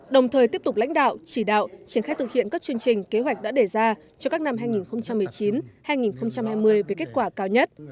đồng thời tiếp tục lãnh đạo chỉ đạo triển khai thực hiện các chương trình kế hoạch đã đề ra cho các năm hai nghìn một mươi chín hai nghìn hai mươi với kết quả cao nhất